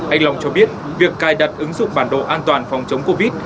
anh long cho biết việc cài đặt ứng dụng bản đồ an toàn phòng chống covid một mươi chín